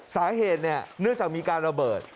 สาเหตุเนื่องจากมีการระเบิด